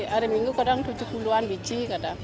hari minggu kadang tujuh puluh an biji kadang